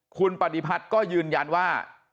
คุณปฏิพัฒน์ก็ยืนยันว่า